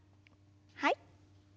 はい。